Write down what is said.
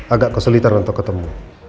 agak kesulitan untuk ketemu